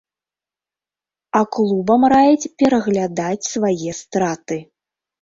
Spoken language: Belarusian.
А клубам раяць пераглядаць свае страты.